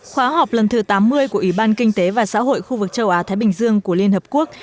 khóa họp lần thứ tám mươi của ủy ban kinh tế và xã hội khu vực châu á thái bình dương của liên hợp quốc